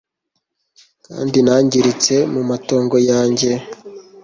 Kandi nangiritse mu matongo yanjye